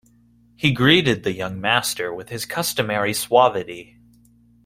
He greeted the young master with his customary suavity.